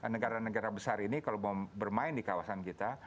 negara negara besar ini kalau mau bermain di kawasan kita